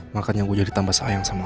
makanya gue jadi tambah sayang sama lo